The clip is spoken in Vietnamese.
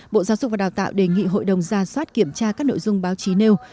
bộ giáo dục và đào tạo đề nghị hội đồng ra soát kiểm tra các nội dung báo chí nêu